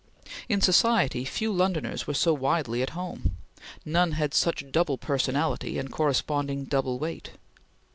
In society few Londoners were so widely at home. None had such double personality and corresponding double weight.